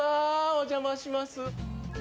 お邪魔します。